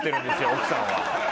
奥さんは。